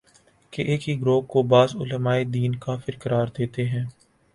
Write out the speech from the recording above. کہ ایک ہی گروہ کو بعض علماے دین کافر قرار دیتے ہیں